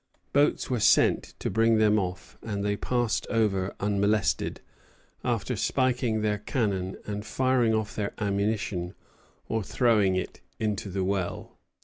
Boats were sent to bring them off; and they passed over unmolested, after spiking their cannon and firing off their ammunition or throwing it into the well.